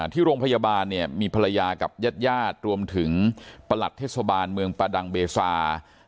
ที่โรงพยาบาลเนี่ยมีภรรยากับญาติญาติรวมถึงประหลัดเทศบาลเมืองประดังเบซา